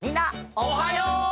おはよう！